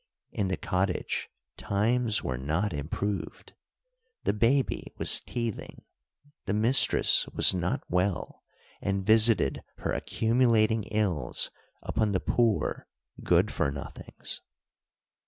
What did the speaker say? In the cottage times were not improved. The baby was teething. The mistress was not well, and visited her accumulating ills upon the poor Good for Nothings.